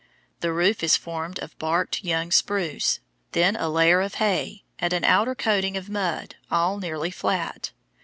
The roof is formed of barked young spruce, then a layer of hay, and an outer coating of mud, all nearly flat.